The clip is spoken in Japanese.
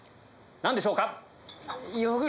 何でしょうか？